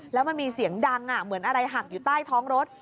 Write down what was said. แล้วมันมีเสียงดังเหมือนอะไรหักอยู่ใต้ท้องรถ